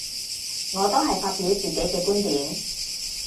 我都係發表自己嘅觀點